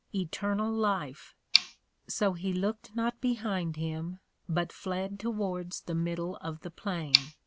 Eternal Life!_ So he looked not behind him, but fled towards the middle of the Plain.